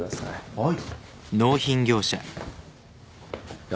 はい。